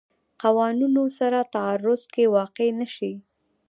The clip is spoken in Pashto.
قوانونو سره تعارض کې واقع نه شي.